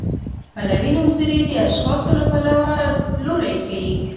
پلوي نومځري د اشخاصو له پلوه لوری ښيي.